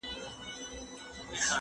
چي ناڅاپه سوه پیشو دوکان ته پورته